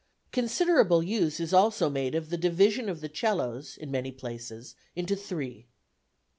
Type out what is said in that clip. Considerable use is also made of the division of the 'cellos, in many places, into three.